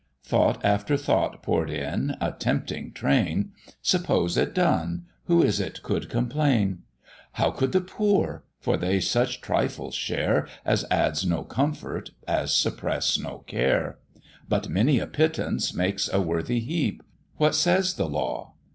Thought after thought pour'd in, a tempting train: "Suppose it done, who is it could complain? How could the poor? for they such trifles share, As add no comfort, as suppress no care; But many a pittance makes a worthy heap, What says the law?